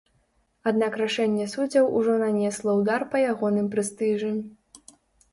Аднак рашэнне суддзяў ужо нанесла ўдар па ягоным прэстыжы.